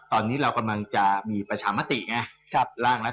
ตอนนี้เรากำลังจะมีประชามาติไงล่างรัฐบาลนูนนะครับ